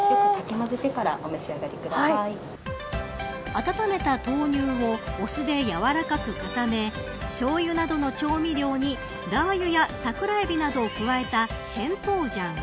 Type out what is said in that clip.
温めた豆乳をお酢でやわらかく固めしょうゆなどの調味料にラー油やサクラエビなどを加えたシェントウジャン。